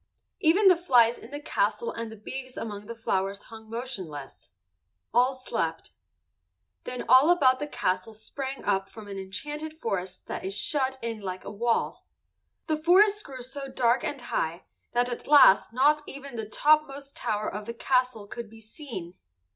Even the flies in the castle and the bees among the flowers hung motionless. All slept. Then all about the castle sprang up an enchanted forest that shut it in like a wall. The forest grew so dark and high that at last not even the top most tower of the castle could be seen.